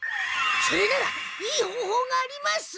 それならいいほうほうがあります！